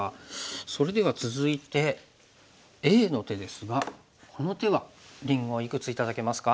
それでは続いてＡの手ですがこの手はりんごいくつ頂けますか？